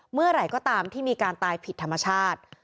เมื่อไหร่ก็ตามที่มีการตายผิดธรรมชาติ